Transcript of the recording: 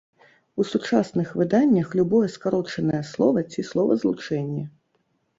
У сучасных выданнях любое скарочанае слова ці словазлучэнне.